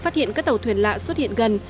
phát hiện các tàu thuyền lạ xuất hiện gần